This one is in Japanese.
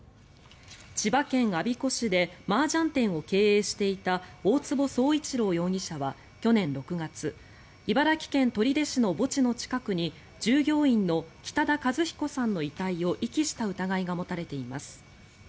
千葉県我孫子市でマージャン店を経営していた大坪宗一郎容疑者は去年６月茨城県取手市の墓地の近くに従業員の北田和彦さんの遺体を遺棄した疑いが持たれています。